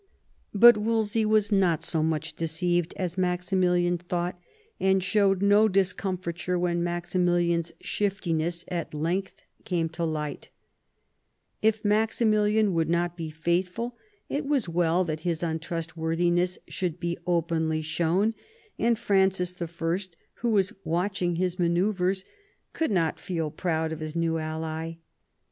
But Wolsey was not so much deceived as Maximilian thought, and showed no discomfiture when Maximilian's shiftiness at length came to light If Maximilian would not be faithful it was well that his untrustworthiness should be openly shown, and Francis L, who was watching his manoeuvres, could not feel proud of his new ally.